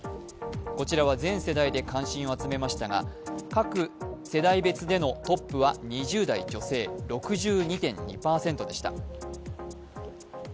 こちらは全世代で関心を集めましたが各世代別でのトップは２０代女性、６２．２％でした。